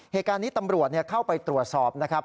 เหตุการณ์นี้ตำรวจเข้าไปตรวจสอบนะครับ